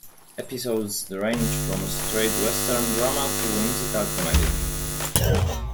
Episodes ranged from straight western drama to whimsical comedy.